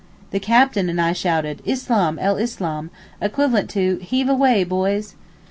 The captain and I shouted out, Islam el Islam, equivalent to, 'Heave away, boys.